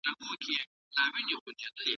تیاره او نم لرونکي ځایونه ناروغي راوړي.